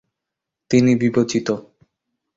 তিনি বিবেচিত।